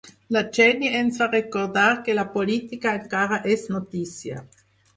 La Jenny ens va recordar que la política encara és notícia.